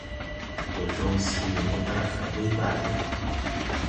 Ndɔ jɔŋ sii we me draʼ gà ɓuy barge.